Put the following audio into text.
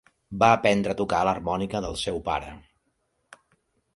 Va aprendre a tocar l'harmònica del seu pare.